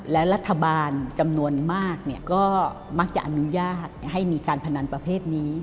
และรัฐบาลจำนวนมากก็มักจะอนุญาตให้มีการพนันประเภทนี้